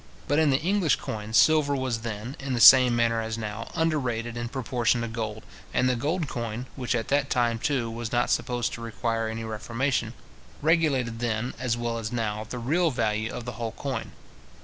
But in the English coin, silver was then, in the same manner as now, under rated in proportion to gold; and the gold coin (which at that time, too, was not supposed to require any reformation) regulated then, as well as now, the real value of the whole coin.